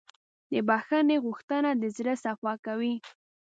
د بښنې غوښتنه د زړه صفا کوي.